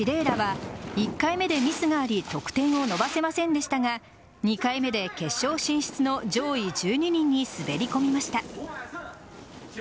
楽は１回目でミスがあり得点を伸ばせませんでしたが２回目で決勝進出の上位１２人に滑り込みました。